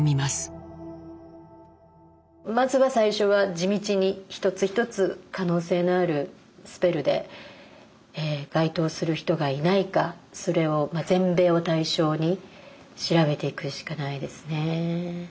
まずは最初は地道に一つ一つ可能性のあるスペルで該当する人がいないかそれをまあ全米を対象に調べていくしかないですね。